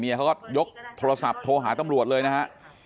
เขาก็ยกโทรศัพท์โทรหาตำรวจเลยนะฮะ